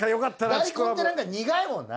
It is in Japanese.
大根ってなんか苦いもんな。